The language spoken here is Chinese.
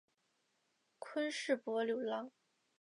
昆士柏流浪